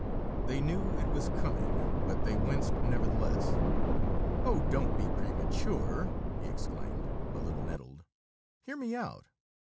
They knew it was coming, but they winced, nevertheless. "Oh, don't be premature!" he exclaimed, a little nettled. "Hear me out.